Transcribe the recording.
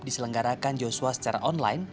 diselenggarakan joshua secara online